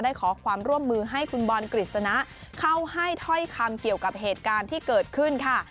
ขอความร่วมมือให้คุณบอลกฤษณะเข้าให้ถ้อยคำเกี่ยวกับเหตุการณ์ที่เกิดขึ้นค่ะ